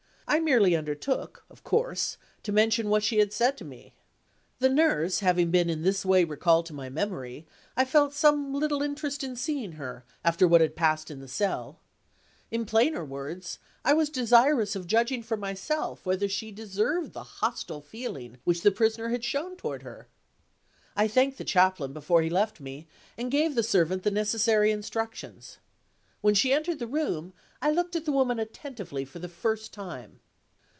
I merely undertook, of course, to mention what she had said to me." The nurse having been in this way recalled to my memory, I felt some little interest in seeing her, after what had passed in the cell. In plainer words, I was desirous of judging for myself whether she deserved the hostile feeling which the Prisoner had shown toward her. I thanked the Chaplain before he left me, and gave the servant the necessary instructions. When she entered the room, I looked at the woman attentively for the first time.